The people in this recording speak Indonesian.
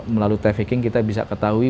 melalui trafficking kita bisa ketahui